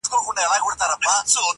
د ژوندون ساه د ژوند وږمه ماته كړه~